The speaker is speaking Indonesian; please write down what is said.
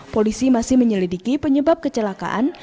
polisi masih menyelidiki penyebab kecelakaan